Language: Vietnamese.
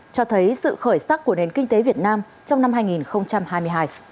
cho thấy sự khởi sắc của nền kinh tế việt nam trong năm hai nghìn hai mươi hai